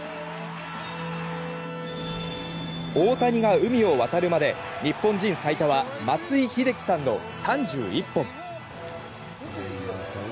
大谷が海を渡るまで日本人最多は松井秀喜さんの３１本。